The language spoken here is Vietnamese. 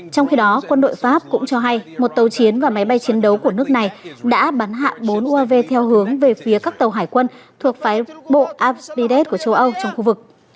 trong khi đó quân đội pháp cũng cho hay một tàu chiến và máy bay chiến đấu của nước này đã bắn hạ bốn uav theo hướng về phía các tàu hải quân thuộc phái bộ abidat của châu âu trong khu vực